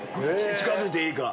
近づいていいか。